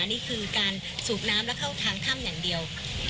นี่คือการสูบน้ำและเข้าทางถ้ำอย่างเดียว